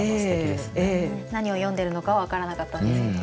何を詠んでるのかは分からなかったんですけど